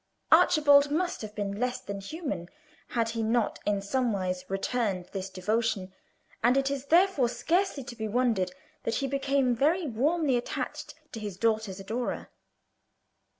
Archibald must have been less than human had he not in somewise returned this devotion, and it is therefore scarcely to be wondered that he became very warmly attached to his daughter's adorer.